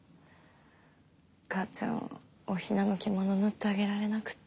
母ちゃんお雛の着物縫ってあげられなくって。